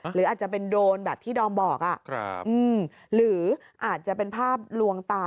หรืออาจจะเป็นโดรนแบบที่ดอมบอกหรืออาจจะเป็นภาพลวงตา